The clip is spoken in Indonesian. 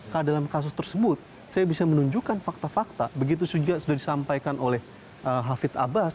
karena dalam kasus tersebut saya bisa menunjukkan fakta fakta begitu saja sudah disampaikan oleh hafid abbas